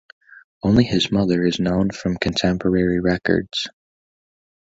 Only his mother is known from contemporary records.